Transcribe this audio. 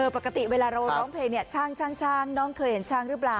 ปกติเวลาเราร้องเพลงช่างน้องเคยเห็นช้างหรือเปล่า